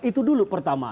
itu dulu pertama